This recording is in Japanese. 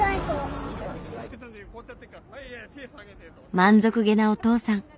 満足げなお父さん。